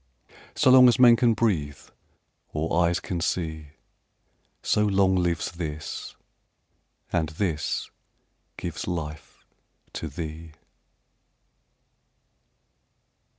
So long as men can breathe, or eyes can see, So long lives this, and this gives life to thee.